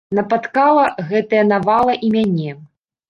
Напаткала гэтая навала і мяне.